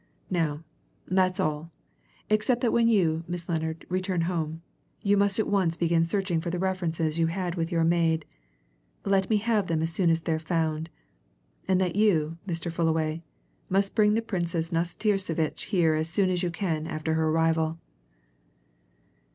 Now, that's all except that when you, Miss Lennard, return home, you must at once begin searching for the references you had with your maid let me have them as soon as they're found and that you, Mr. Fullaway, must bring the Princess Nastirsevitch here as soon as you can after her arrival."